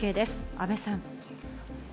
阿部さん。